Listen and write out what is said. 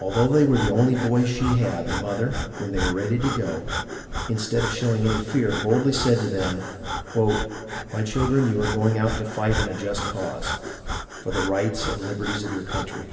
Although they were the only boys she had, the mother, when they were ready to go, instead of showing any fear, boldly said to them :" My children, you are going out to fight in a just cause, for the rights and liberties of your country.